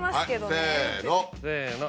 せの。